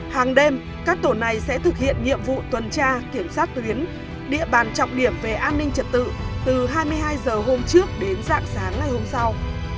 hàng đêm các tổ này sẽ thực hiện nhiệm vụ tuần tra kiểm soát tuyến địa bàn trọng điểm về an ninh trật tự từ hai mươi hai h hôm trước đến dạng sáng ngày hôm sau